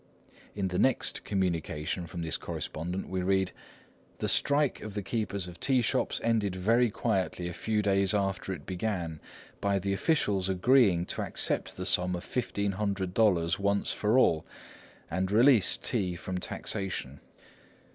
In the next communication from this correspondent, we read, "The strike of the keepers of tea shops ended very quietly a few days after it began, by the officials agreeing to accept the sum of fifteen hundred dollars once for all, and release tea from taxation."